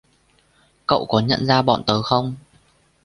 Cậu có nhận ra bọn tớ không